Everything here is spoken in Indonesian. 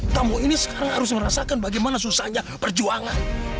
tamu ini sekarang harus merasakan bagaimana susahnya perjuangan